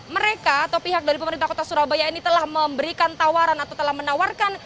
mereka atau pihak dari pemerintah kota surabaya ini telah memberikan tawaran atau telah menawarkan